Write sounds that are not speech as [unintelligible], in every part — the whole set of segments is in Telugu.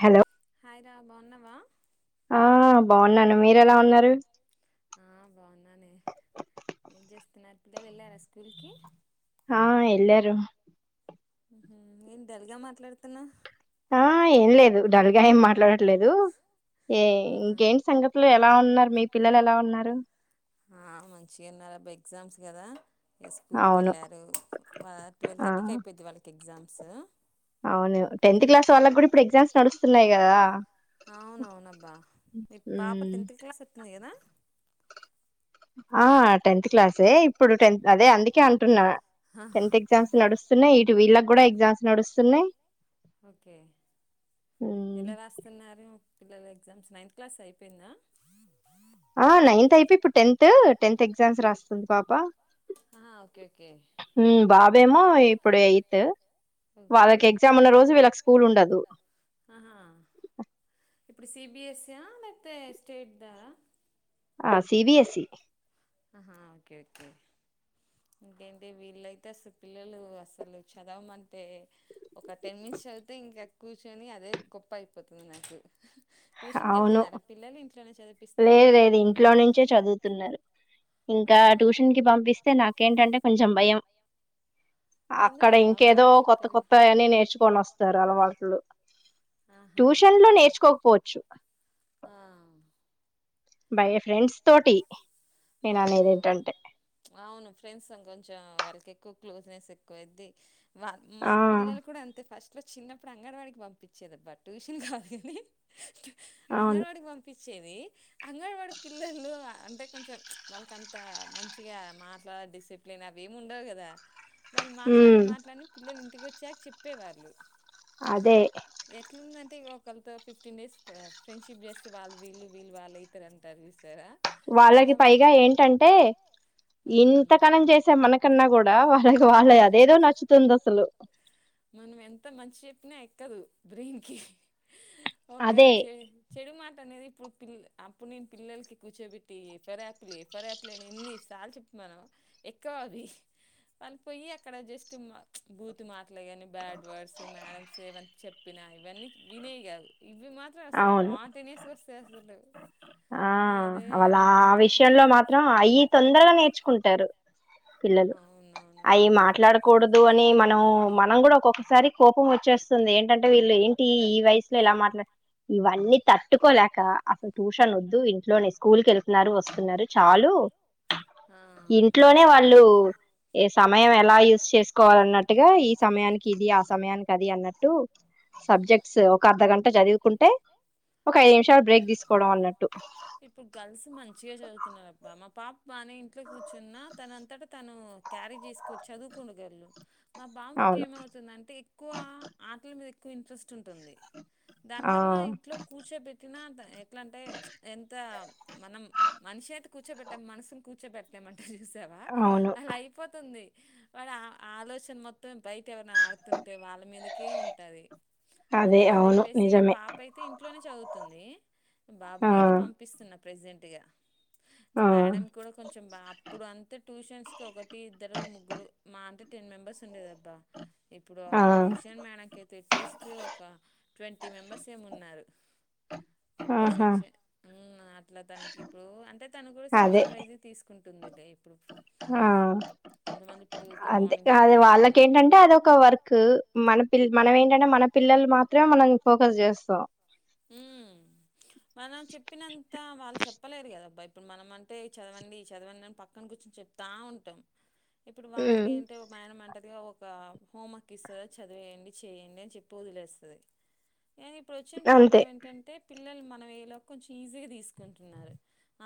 హలో హాయ్ రా బాన్నవా? ఆ బాగున్నాను. మీరెలా ఉన్నారు? ఆ బాగున్నానే. ఏం చేస్తున్నారు పిల్లలు ఎళ్ళార స్కూల్ కి? హా ఎల్లారు. మ్ హు ఏం డల్ గా మాట్లాడుతున్నవ్? ఆ ఏం లేదు. డల్ గా ఏం మాట్లాడ లేదు. ఏ ఇంకేంటి సంగతులు? ఎలా ఉన్నారు? మీ పిల్లలు ఎలా ఉన్నారు? ఆ మంచిగున్నారబ్బా ఎగ్జామ్స్ కదా! ఇగ స్కూల్ కెళ్ళారు. వా ట్వెల్వ్ థర్టీకి అయిపోయిద్ది వాళ్ళకి ఎగ్జామ్స్. అవును. టెన్త్ క్లాస్ వాళ్ళకు కూడా ఇప్పుడు ఎగ్జామ్స్ నడుస్తున్నాయి కదా! అవునవునబ్బా. మీ పాప టెన్త్ క్లాస్ వత్తుంది కదా! ఆ టెన్త్ క్లాసే. ఇప్పుడు టెన్, అదే అందుకే అంటున్నా. టెన్త్ ఎగ్జామ్స్ నడుస్తున్నాయి. ఇటు వీళ్ళకి కూడ ఎగ్జామ్స్ నడుస్తున్నాయ్. ఓకె. ఎల రాస్తున్నారు? పిల్లల ఎగ్జామ్స్. నైన్త్ క్లాస్ అయిపోయిందా? ఆ నైన్త్ అయిపోయి ఇప్పుడు టెన్త్. టెన్త్ ఎగ్జామ్స్ రాస్తుంది పాప. అహా ఓకె ఓ మ్ బాబేమో ఇప్పుడు ఎయిత్ వాళ్ళక్ ఎగ్జామ్ ఉన్న రోజు వీళ్ళకి స్కూల్ ఉండదు. అ ఇప్పుడు సి బి ఎస్ సి య లేకపోతే స్టేట్ దా రా? ఆ సిబిఎస్ఈ. అహా ఓకె. ఓకె. ఇంకేంటి వీళ్ళయితే, అస పిల్లలు అసలు చదవమంటే ఒక టెన్ మినిస్ చదివితే, ఇంకా కూర్చుని అదే గొప్ప అయిపోతుంది నాకు. అవును. లేదు లేదు ఇంట్లోనుంచే చదువుతున్నారు. ఇంకా ట్యూషన్ కి పంపిస్తే నాకేంటంటే, కొంచెం భయం. అక్కడ ఇంకేదో కొత్త కొత్త అన్నీ నేర్చుకొని వస్తారు అలవాట్లు. ట్యూషన్ లో నేర్చుకో ఆ భయ ఫ్రెండ్స్ తోటి స్ అవునా ప్ల్చ్ అవును ఫ్రెండ్స్ కొంచం ఎక్కువ క్లోజ్నెస్ ఎక్కువది వా మా పిల్లలు కూడా అంతే ఫస్ట్ చిన్నప్పుడు అంగన్వాడికి పంపించేదిబా ట్యూషన్ కాదు గనీ అంగన్వాడికి పంపిం చ్చేది అంగన్వాడి పిల్లలు అంటే కొంచం ప్ల్చ్ వాళ్ళకంతా మంచిగా మాట్లా డిసిప్లిన్ అవి ఏమి ఉండవు గదా వాళ్ళు మాట్లాడి మాట్లాడి పిల్లలు ఇంటికి వచ్చాక చెప్పే వాళ్ళు అదే ఎట్లుందంటే ఒకళతో ఫిఫ్టీన్ డేస్ ఫ్రెండ్షిప్ చేస్తే వాళ్ళు వీళ్ళు వీళ్ళు వాళ్ళైతరంటారు వాళ్ళకి పైగా ఏంటంటే ఇంత గనం చేసే మనకన్నా గూడా వాళ్ళక్ వాళ్ళయ్ అదేదో నచ్చుతుందో అసలు మనం ఎంత మంచి చెప్పినా ఎక్కదు బ్రెయిన్ కి ఒక చె చెడు మాట అనేది పిల్ అప్పుడు నేను పిల్లలకి కూర్చోబెట్టి ఎఫర్ యాపిల్ ఎఫర్ యాపిల్ అని ఎన్ని సార్లు చెప్తున్నానో ఎక్కువ అది వాళ్ళపోయి అక్కడ జస్ట్ బూతు మ ఇట్లా గని బ్యాడ్ వర్డ్స్ మేడమ్స్ ఏవ చెప్పినా ఇవన్నీ వినేయి గాదు ఇవి మాత్రమే వస్తయి పాంటినేస్ వస్తయి అసలు ఆ అవళ ఆ విషయంలో మాత్రం అయి తొందరగా నేర్చుకుం టరు పిల్లలు అయి మాట్లాడకూడదు అని మనం మనం గూడా ఒక్కొక్కసారి కోపం వచ్చేస్తుంది ఏంటంటే వీళ్ళు ఏంటి ఈ వయసులో ఇలా మాట్లా ఇవన్నీ తట్టుకోలేక అసలు ట్యూషన్ వద్దు ఇంట్లోనే స్కూల్ కెళ్తున్నారు వస్తున్నారు చాలు ఇంట్లోనే వాళ్ళు ఏ సమయం ఎలా యూస్ చేస్ కోవాలన్నట్టుగా ఈ సమయానికి ఇది ఆ సమయానికి అది అన్నట్టు సబ్జెక్ట్స్ ఒక అర్ధగంట చదువుకుంటే ఇప్పుడు గర్ల్స్ మంచిగా చదువుతున్నారబ్బా మా పాప్ బానే ఇంట్లో కూర్చున్నా తన అంతట తను క్యారీ చేసుకో చదువుకును గర్లు మా బాబుకేమవుతుందంటే ఎక్కువ ఆటల మీద ఎక్కువ ఇంట్రెస్ట్ ఉంటుంది దాని వల్ల ఇంట్లో కూర్చో బెట్టినా ఎట్ల అంటే ప్ల్చ్ ఎంత మనం మనిషి అయితే కూర్చోబెట్టాం మనసుని కూర్చోబెట్టలేమండీ చూసావా అలా అయిపోతుంది వాడి ఆ ఆలోచన మొత్తం బయ్ ఎవన్నా ఆడుతుంటే వాళ్ళ మీదకే ఉంటది అందుకని చెప్పేసి ఇగ పాప అయితే ఇంట్లోనే చదువ్ తుంది బాబునయితే పంపిస్తున్న ప్రజెంట్ గా ఆ మేడం కూడా కొంచం బా అప్పుడు అంతే ట్యూషన్స్ కి ఒకటి ఇద్దరు ముగ్గురు మా అంటే టెన్ మెంబర్స్ ఉండేదటా ఇప్పుడు ఆ ట్యూషన్ మేనకయిత్ ఎట్లీస్ట్ ఒక ట్వంటీ మెంబర్స్ ఏఉన్నారు ఒక సెక్షే ఊ అట్లా తనకి ఇప్పుడు అంటే తను కూడా సెక్షన్ వైజ్ గా తీసుకుంటుంది ఇప్పుడు కొంతమంది పిల్లలకి మార్నింగ్ అది వాళ్ళకు ఏంటంటే అదొక వర్క్ మనం పిల్ మనం ఏంటంటే మన పిల్లలు మాత్రం మనం ఫోకస్ చేస్తాం ఉ మనం చెప్పినంత వాళ్ళు చెప్పలేరు కదాబ్బాయ్ మనం అంటే చదవండి చదవండి అని పక్కన కూర్చొని చెప్తా ఉంటం ఇప్పుడు వాళ్ళకే అంటే [unintelligible] ఒక హోమ్వర్క్ ఇస్తద చదివేయండి చేయండి అని చెప్పి వదిలేస్తది కానీ ఇప్పుడు వచ్ ప్రాబ్లం ఏంటంటే పిల్లలు మనం ఏలా కొంచీ ఈజీగా తీసుకుంటున్నారు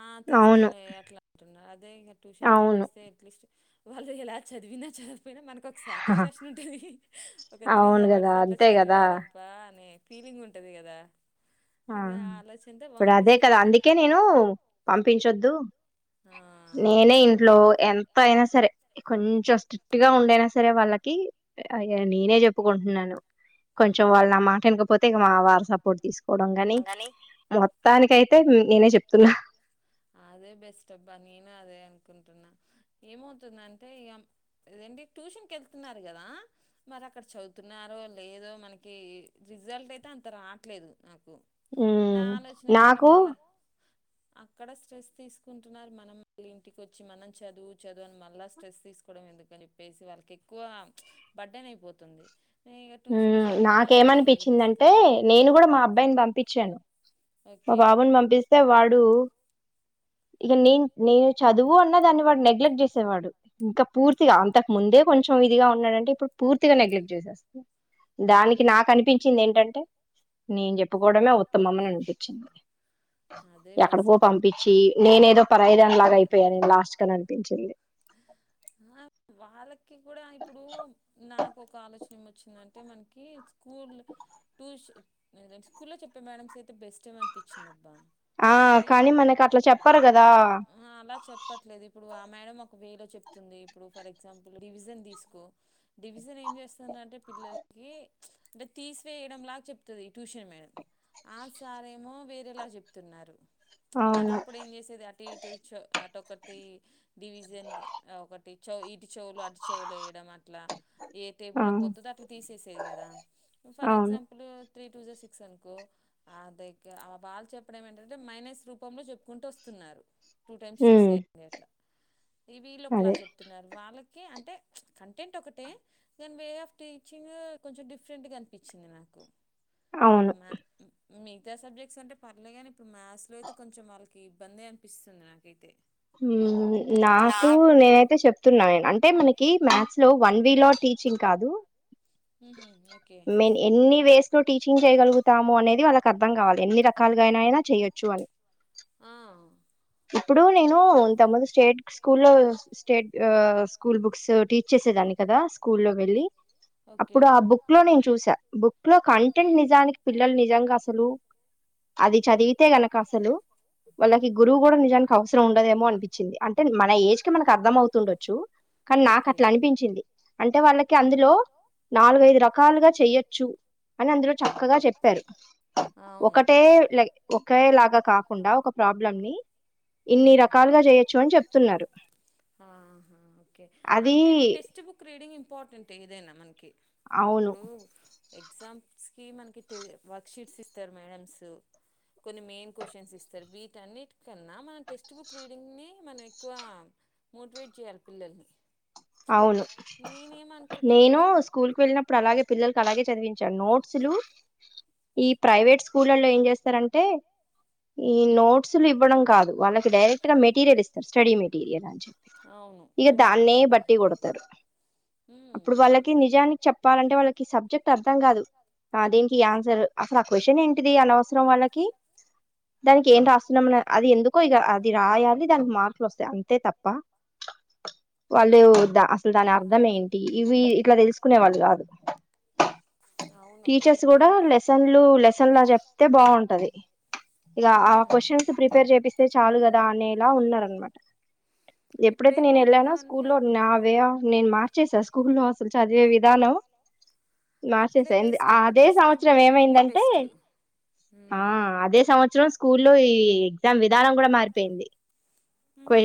ఆ తీస్తలే అట్లా అంటున్నారు అదే ఇగ ట్యూషన్ పంపిస్తే అట్లీస్ట్ వాళ్ళు ఇలా చదివిందే చ్చద్ పోయినా మనకు ఒక సాటిస్ఫాక్షన్ ఉంటది ఒక త్రీ అవర్స్ అట్లా చదివారబ్బా అనే ఫీలింగ్ ఉంటది గదా ఆ ఇప్పుడు అదే కదా అందుకే నేను పంపించొద్దు నేనే ఇంట్లో ఎంత అయినా సరే కొంచెం స్ట్రిక్ట్ గా ఉండైనా సరే వాళ్ళకి నేనే చెప్పుకుంటున్నాను కొంచెం వాళ్ళు నా మాట వినకపోతే ఇ మా వారి సపోర్ట్ తీసుకు పోడం గని మొత్తానికయితే నేనే చెప్తున్నా ఆ అదే బెస్ట్ అబ్బా నేను అదే అనుకుంటున్నా ఏమవుతుందంటె ఇగ లేదంటే టూ ట్యూషన్కి వేల్తున్నారు కదా మరి అక్కడ చదువుతున్నారో లేదో మనకి రిజల్ట్ అయితే అంత రాట్లేదు నాకు ఉమ్ నాకు స్ట్రెస్ తీసుకుంటున్నారు మనం మళ్ళీ ఇంటికి వచ్చి మనం చదువు చదువు అని మళ్ళ స్ట్రెస్ తీసుకోవడం ఎందుకని ప్పేసి వాళ్ళకి ఎక్కువ బర్డన్ అయిపోతుంది మ్ నాకేమనిపించిందంటే నేను కూడా మా అబ్బాయిని పంపించాను మా బాబుని పంపిస్తే వాడు ఇక నేను నేను చదువు అన్న దాన్ని వాడు నెగ్లెక్ట్ చేసేవాడు ఇంకా పూర్తిగా అంతకు ముందే దె కొంచెం ఇదిగా ఉన్నాడంటే ఇప్పుడు పూర్తిగా నెగ్లక్ట్ చేసేస్త దానికి నాకు అనిపించింది ఏంటంటే నేను చెప్పుకోవడమే ఉత్తమం అని అనిపి చింది ఎక్కడికో పంపించి నేనేదో పరాయిదాని లాగ అయిపోయా నేను లాస్ట్ ని అనిపించింది ఆ వాళకి ఇప్పుడు నాకు ఒక ఆలోచన ఏం వచ్చిందంటే మనకి స్కూల్ ట్యూషన్ స్కూల్లో చెప్పే మడమ్స్ అయితే బెస్ట్ ఏమో అనిపిందబ్బ ఆ కానీ మనకి అట్లా చెప్పారు కదా మేడం ఒక వేలో చెప్తుంది ఇప్పుడు ఫర్ ఎగ్జాంపుల్ డివిజన్ తీసుకో డివిజన్ ఏం చేస్తుంటే పిల్లలకి అంటే తీసివేయడం లాగా చెప్తుంది ట్యూషన్ మేడం ఆ సారేమో వేరేలా చెప్తున్నారు మనంప్పుడు ఏం చేసేది అటు ఇటు చ అటోక టి డివిజన్ ఒకటి చ ఇటు చెవులో అటు చెవులో వేయడం అట్లా ఏ టేబుల్ లో పోతదో అట్లా తీసేసేది కదా ఫర్ ఎగజాంపుల్ త్రీ టూ జ సిక్స్ అనుకో కో ఆ దగ్గర వాళ్ళు చెప్పడం ఏంటంటే మైనస్ రూపంలో చెప్పుకుంటూ వస్తున్నారు టూ టైమ్స్ తీసేయండి అట్లా ఈ వీళ్ళు ఒకలా చెప్తున్నారు వాళ్ళకి అంటే కంటెంట్ ఒకటే దనీ వే ఆఫ్ టీచింగ్ కొంచెం డిఫరెంట్గా అనిపించింది నాకు అవును మిగతా సబ్జెక్ట్స్ అంటే పర్లేదు ని ఇప్పుడు మథ్స్ లో అయితే కొంచెం వాళ్ళకి ఇబ్బంది అనిపిస్తుంది నాకైతే నాకు నేనైతే చెప్తున్నాను నేను అంటే మనకి కి మ్యాథ్స్ లో వన్ వి లో టీచింగ్ కాదు మెన్ ఎన్ని వేస్ టీచింగ్ చేయగలుగుతాము అనేది వాళ్ళకి అర్థం కావాలి ఎన్ని రకాలుగా అయినా అయినా చేయొచ్చు అని ఇప్పుడు నేను ఇంతముందు స్టేట్ స్కూల్ లో స్టేట్ స్కూల్ బుక్స్ టీచ్ చేసేదాని కదా స్కూల్లో వెళ్ళి అప్పుడు ఆ బుక్ లో నేను చూసా బుక్ లో కంటెంట్ నిజానికి పిల్లలు నిజంగా అసలు అది చదివితే గనక అసలు వాళ్ళకి గురువు కూడా నిజానికి అవసరం ఉండదేమో అనిపించింది అంటే మన ఏజ్ కి మనకు అర్థమవుతుండొచ్చు నాకు అట్లా అనిపించింది అంటే వాళ్ళకి అందులో నాలుగైదు రకాలుగా చెయ్యొచ్చు అని అందరూ చక్కగా చెప్పారు ఒకటే ఒకే లాగా కాకుండా ఒక ప్రాబ్లం ని ఇన్ని రకాలుగా చేయొచ్చు అని చెప్తున్నారు ఆ ఓకే అంటే ఇప్పుడు టెక్స్ట్ బుక్ రీడింగ్ ఇంపార్టెంట్ ఏదైనా మనకి అవును ఎగ్జామ్స్కి మనకి టి వర్క్షీట్స్ ఇస్తారు మ్యాడమ్స్ కొన్ని మెయిన్ క్వశ్చన్స్ ఇస్తారు వీటిన్నిటికన్నా మనం టెక్స్ట్ బుక్ రీడింగ్ ని మనం ఎక్కువ మోటివేట్ చేయాలి పిల్లల్ని అవును, నేను స్కూల్ కు వెళ్ళినప్పుడు అలాగే పే పిల్లలలకు అలాగే చదివించాను నోట్స్లు ఈ ప్రైవేట్ స్కూళ్లలో ఏం చేస్తారంటే ఈ నోట్స్లు ఇవ్వడం కాదు, వాళ్ళకి డైరెక్ట్ గా మెటీరియల్ ఇస్తరు, స్టడీ మెటీరియల్ అచ్ అవును ఉమ్ కొడతారు, అప్పుడు వాళ్ళకి నిజానికి చెప్పాలంటే వాళ్ళకి సబ్జెక్ట్ అర్థం కాదు. ఆ దేనికి ఆన్సర్ అసలు ఆ క్వశ్చన్ ఏంటిది, అనవసరం వాళ్ళకి దానికి ఏం రాస్తున్నాం న అది ఎందుకో ఇగ అది రాయాలి, దానికి మార్పులు వస్తాయి. అంతే తప్ప వాల్ ద అసలు దాని అర్థం ఏంటి? ఇవి ఇట్ల తెలుసుకునే వాళ్ళు కాదు. టీచర్స్ కూడా లెసన్లు లెసన్ లా జెప్తే బాగుంటది. ఇక ఆ క్వశ్చన్స్ ప్రిపేర్ చేపిస్తే చాలు కదా అనేలా ఉన్నారనమాట. ఎప్ ఎప్పుడైతే నేను ఎళ్ళానో స్కూల్లో నా వే ఆఫ్ నేను మార్చసా, స్కూల్లో అసలు చదివే విధానం మార్చేసా ఎం అదే సంవత్సరం ఏమైందంటే? ఆ అదే సంవత్సరం స్కూల్లో ఈ ఎగ్జామ్ విధానం కూడా మారిపోయింది, క్వా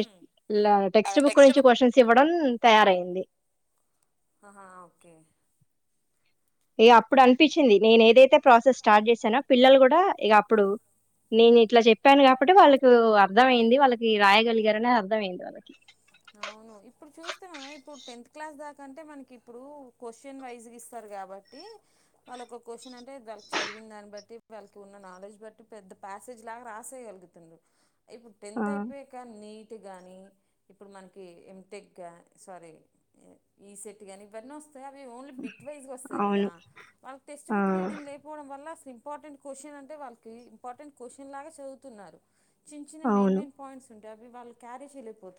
ల టెక్స్ట్ బుక్ నుంచి క్వశ్చన్స్ ఇవ్వడం తయారైంది హా ఓకే ఇగ అప్పుడు అనిపించింది నేను ఏదైతే ప్రాసెస్ స్టార్ట్ చేసానో, పిల్లలు కూడా ఇగ అప్పుడు నేను ఇట్లా చెప్పాను కాబట్టి వాళ్ళకి అర్థమయింది వాళ్ళకి, రాయగలిగారనీ అర్థంమయింది వాళ్ళకి. అవును ఆ ఇప్పుడు టెన్త్ క్లాస్ దాకంటే మనకి ఇప్పుడు, క్వశ్చన్ వైజ ఇస్తారు కాబట్టి వల్ ఒక క్వశ్న్ టే దానికి చదివిన దాన్ని బట్టి వాళ్ళకి ఉన్న నాలెడ్జ్ బట్టి పెద్ద ప్యాసేజ్ లాగా రాసేయగలుగుతుంరు. ఇప్పుడు టెన్త్ అయిపోయాక నీట్ గాని ఇప్పుడు మనకి ఏంటెక్ గా సారీ, ఈసెట్ గాని ఇవన్నీ వస్ ఇవి అవి ఓన్లీ బిట్ వైస్గా వస్తది కదా, వాళ్ళకి టెక్స్ట్ బుక్ రీడింగ్ లేకపోవడం వల్ల ఇంపార్టెంట్ క్వశ్చన్ అంటే వాళ్ళకి, ఇంపార్టెంట్ క్వశ్చన్ లాగా చదువుతున్నారు. చిన్న చిన్న మెయిన్ మెయిన్ పాయింట్స్ ఉంటే అవి వాళ్ళు క్యారీ చేయలేకపోతు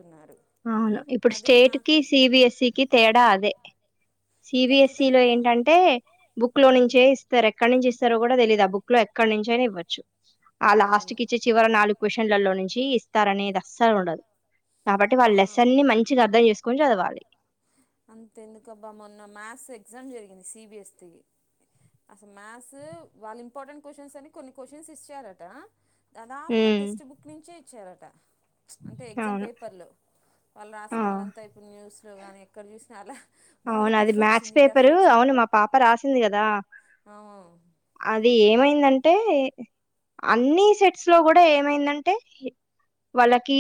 అవును ఇప్పుడు స్టేట్ కి సి బి ఎస్ ఈ కి తేడా అదే. సి బి ఎస్ ఈ లో ఏంటంటే, బుక్ లో నుంచే ఇస్తరు ఎక్కడ నుంచి ఇస్తారో కూడా తెలీయదు ఆ బుక్ లో ఎక్కడి నుంచైనా ఇవ్వచ్చు, ఆ లాస్ట్ కి ఇచ్చే చివర నాలుగు క్వషన్లలో నుంచి ఇస్తారనేది అస్సలు ఉండదు, కాబట్టి వాళ్ళ లెసన్ని మంచి చ్చిగ అర్థం చేసుకొని చదవాలి. అంత ఎందుకుబ్బా మొన్న మ్యాథ్స్ ఎగ్జామ్ జరిగింది, సి బి ఎస్ ది. అసలు మ్యాథ్స్ వాళ్ళు ఇంపార్టెంట్ క్వశ్చన్స్ అని కొన్ని క్వశ్చన్స్ ఇచ్చారట. దాదాపుగా టెస్ట్ బుక్ నుంచే ఇచ్చారట. అంటే ఎగ్జామ్ పేపర్లో, వాళ్ళు రాసిన వాళ్ళంతా ఇప్పుడు న్యూస్లో గానీ ఎక్కడ చూసినా అలా అవును అది మ్యాథ్స్ పేపరు, అవును మా పాప రాసింది కదా. అది ఏమైందం టే అన్ని సెట్స్ లో కూడా ఏమైందంటే వాళ్ళకి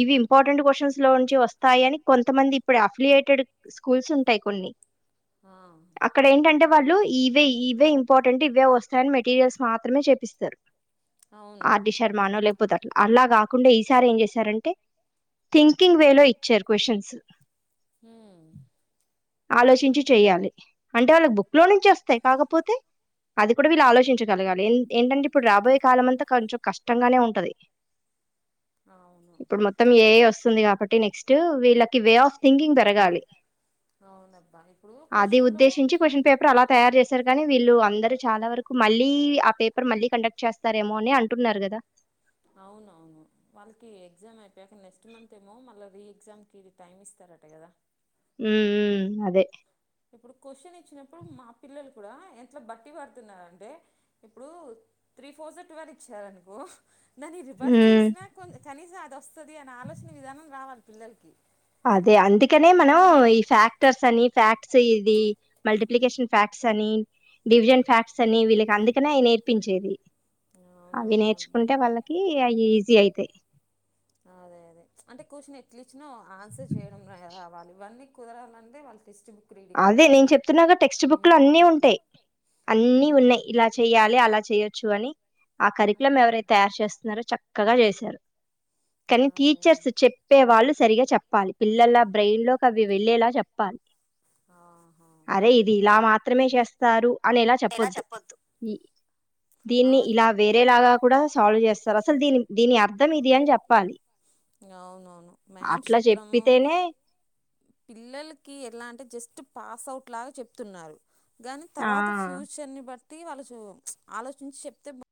ఇవి ఇంపార్టెంట్ క్వశ్చన్స్ లో నుంచి వస్తాయని, కొంతమంది ఇప్పుడు అఫిలియేటెడ్ స్కూల్స్ ఉంటాయి కొన్ని, అక్కడ ఏంటంటే వాళ్ళు ఇవే ఇవే ఇంపార్టెంట్ ఇవే వస్తాయని మెటీరియల్స్ మాత్రమే చేపిస్తారు, ఆర్టి శర్మనో లేపోతే అలా కాకుండా ఈసారి ఏం చేశారంటే, థింకింగ్ వే లో ఇచ్చారు క్వశ్చన్స్ ఉమ్ ఆలోచించి చెయ్యాలి, అంటే వాళ్ళకి బుక్ లో నుంచి వస్తయి కాకపోతే అది కూడా వీళ్ళు ఆలోచించగలగాలి, ఏం ఏంటంటే ఇప్పుడు రాబోయే కాలం అంతా కొంచం కష్టంగానే ఉంటది. ఇప్పుడు మొత్తం ఏఐ వస్ స్తుంది కాబట్టి నెక్స్ట్ వీళ్ళకి వే ఆఫ్ థింకింగ్ పెరగాలి. అవునక్క ఎప్పు అది ఉద్దేశించి క్వశ్చన్ పేపర్ అలా తయారు చేశారు కానీ వీళ్ళు అందరు చాలా వరకు మళ్ళీ ఆ పేపర్ మళ్ళీ కండక్ట్ చేస్తారేమో అని అంటున్నారు కదా అవునవును వాళ్ళకి ఎగ్జామ్ అయిపోయాక నెక్స్ట్ మంత్ ఏమో మళ్ళా రీ ఎగ్జామ్ కి టైమ్ ఇస్తారు రట గదా మ్మ్ అదే కూడా ఎట్లా బట్టి పడుతున్ననంటే ఇప్పుడు త్రీ ఫోర్ జ ట్వల్ ఇచ్చారునుకో దాన్ని రివర్స్ చేసినా కొ కనీసం అది వస్తాది అని ఆలోచన విధానం రావాలి పిల్లలకి అదే అందుకనే మనం ఈ ఫ్యాక్టర్స్ అని ఫ్యాక్ ఇది మల్టిప్లికేషన్ ఫక్ట్స్ అని డివిజన్ ఫ్యాక్ట్స్ అని వీళ్ళకి అందుకనే నేర్పించ చేది అవి నేర్చుకుంటే వాళ్ళకి అవి ఈజీ అయితాయి అదే అదే అంటే కూర్చని ఎట్లి ఇచ్చినా ఆన్సర్ చేయడం రావాలి ఇవన్నీ కుదరాలంటే వాళ్ళ టెక్స్ట్ బుక్ రీడింగ్ ఉండాలి అన్ని ఉన్నాయి ఇలా చెయ్యాలి అలా చెయ్యొ చ్చు అని ఆ కరికులం ఎవరైతే తయారు చేస్తున్నారో చక్కగా చేశారు కానీ టీచర్స్ చెప్పే వాళ్ళు సరిగా చెప్పాలి పిల్లల బ్రెయిన్ లో అవి వెళ్ళేలా చెప్పాలి అరే ఇది ఇలా మాత్రమే చేస్తారు అనేలా చెప్పొద్దు దీన్ని ఇలా వేరేలాగా కూడా సాల్వ్ చేస్తారు అసలు దీని దీని అర్థం ఇది అని చెప్పాలి అవునవును మేడం మ్స్ చెప్పడము పిల్లలకి ఎలా అంటే జస్ట్ పాస్వుట్ లాగా చెప్తున్నారు గాని తర్వాత ఫ్యూచర్ ని బట్టి టి వాళ్ళుకు ఆలోచించి చెప్తే బా